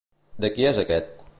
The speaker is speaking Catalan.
De qui és aquest?